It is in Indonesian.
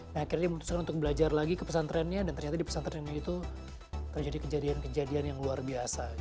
nah akhirnya memutuskan untuk belajar lagi ke pesantrennya dan ternyata di pesantrennya itu terjadi kejadian kejadian yang luar biasa